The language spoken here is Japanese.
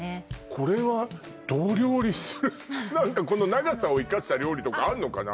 これはどう料理する何かこの長さを生かした料理とかあるのかな